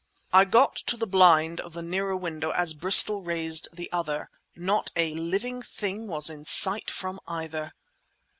I got up the blind of the nearer window as Bristol raised the other. Not a living thing was in sight from either!